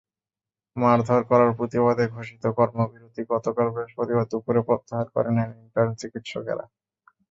মারধর করার প্রতিবাদে ঘোষিত কর্মবিরতি গতকাল বৃহস্পতিবার দুপুরে প্রত্যাহার করে নেন ইন্টার্ন চিকিৎসকেরা।